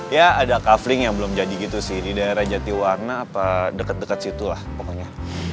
ya ada cufflink yang belum jadi gitu sih di daerah jati warna apa deket deket situ lah pokoknya